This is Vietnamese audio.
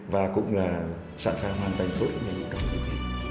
và cũng sẵn sàng hoàn thành